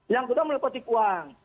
yang sudah meliputi uang